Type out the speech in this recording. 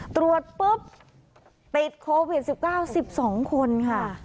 ตรวจปุ๊บติดโควิด๑๙๑๒คนค่ะ